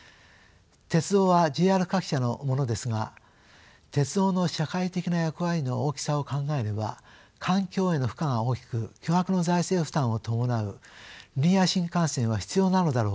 鉄道はＪＲ各社のものですが鉄道の社会的な役割の大きさを考えれば環境への負荷が大きく巨額の財政負担を伴うリニア新幹線は必要なのだろうか。